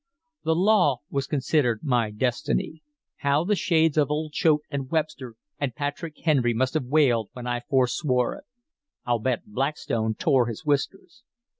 "The law was considered my destiny. How the shades of old Choate and Webster and Patrick Henry must have wailed when I forswore it. I'll bet Blackstone tore his whiskers."